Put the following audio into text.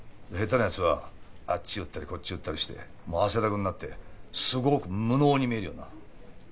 下手なやつはあっち打ったりこっち打ったりしてもう汗だくになってすごく無能に見えるよな。